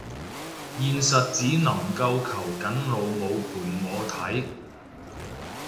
現實只能夠求緊老母陪我睇